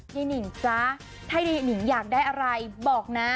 นิ่งจ๊ะถ้ายายหนิงอยากได้อะไรบอกนะ